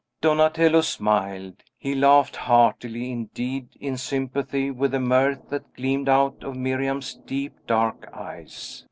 Donatello smiled; he laughed heartily, indeed, in sympathy with the mirth that gleamed out of Miriam's deep, dark eyes.